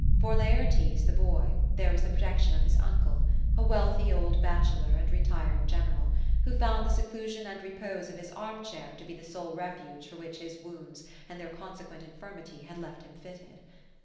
For Laertes, the boy, there was the protection of his uncle ; a wealthy old bachelor, and retired general ; who found the seclusion and repose of his arm chair to be the sole refuge for which his wounds and their consequent infirmity had left him fitted.